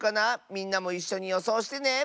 みんなもいっしょによそうしてね！